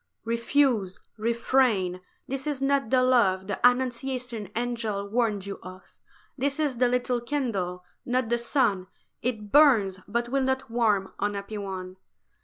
"REFUSE, refrain: for this is not the love The Annunciation Angel warned you of; This is the little candle, not the sun; It burns, but will not warm, unhappy one!"